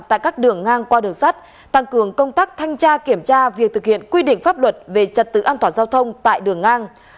tại các đường ngang qua đường sắt tăng cường công tác thanh tra kiểm tra việc thực hiện quy định pháp luật về trật tự an toàn giao thông tại đường ngang